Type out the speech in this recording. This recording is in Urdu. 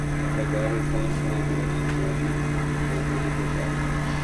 اداکار عرفان خان اورسونالی بیندرے کے بعد